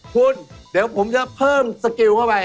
คุณเดี๋ยวผมจะเพิ่มสกิลเข้าไป